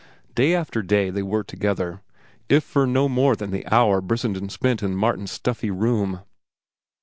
Day after day they were together, if for no more than the hour Brissenden spent in Martin's stuffy room.